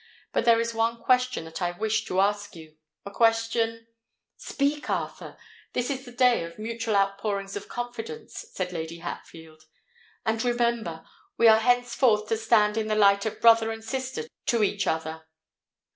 But there is one question that I wish to ask you—a question——" "Speak, Arthur! This is the day of mutual outpourings of confidence," said Lady Hatfield: "and, remember—we are henceforth to stand in the light of brother and sister to each other!"